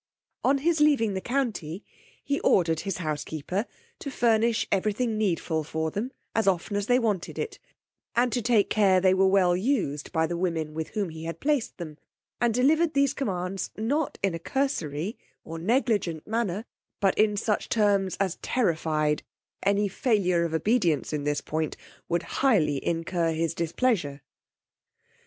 On his leaving the county, he ordered his housekeeper to furnish every thing needful for them as often as they wanted it, and to take care they were well used by the women with whom he had placed them; and delivered these commands not in a cursory or negligent manner, but in such terms as terrified any failure of obedience in this point would highly incur his displeasure.